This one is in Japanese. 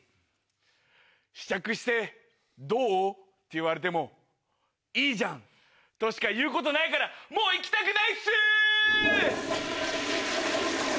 試着して「どう？」って言われても「いいじゃん」としか言うことないからもう行きたくないっす！